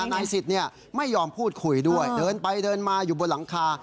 นายสิทธิ์ไม่ยอมพูดคุยด้วยเดินไปเดินมาอยู่บนหลังคา